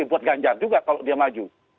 buat ganjar juga kalau dia maju